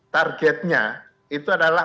targetnya itu adalah